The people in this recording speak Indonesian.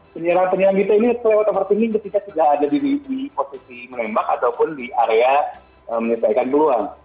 penyerahan penyerahan kita ini lewat overthinking tidak ada di posisi menembak ataupun di area menyelesaikan peluang